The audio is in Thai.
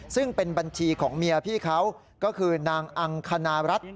ซึ่งเป็นบัญชีของเมียพี่เขาก็คือนางอังคณรัฐ